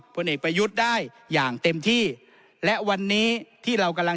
ผู้เด็กประยุทธ์ได้อย่างเต็มที่